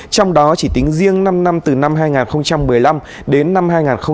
trong đó chỉ tính riêng năm năm từ năm hai nghìn một mươi năm đến năm hai nghìn một mươi bảy